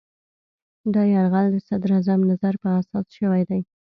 دا یرغل د صدراعظم نظر په اساس شوی دی.